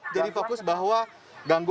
jadi fokus bahwa